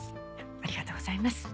ありがとうございます。